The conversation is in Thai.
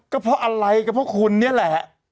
ก็เพราะอะไรก็เพราะคุณนี่แหละ